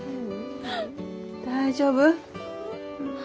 大丈夫？